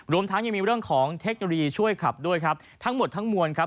รวมทั้งยังมีเรื่องของเทคโนโลยีช่วยขับด้วยครับทั้งหมดทั้งมวลครับ